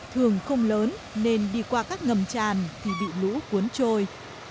thường không lớn nên đi qua các ngầm tràn thì bị lũ cuốn trôi